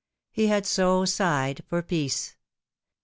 He had BO sighed for peace.